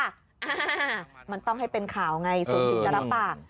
อ่ามันต้องให้เป็นข่าวไงสูงถึงจะรับปาก